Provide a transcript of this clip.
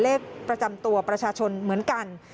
เลขประจำตัวประชาชนเหมือนกัน